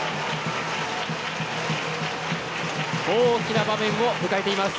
大きな場面を迎えています。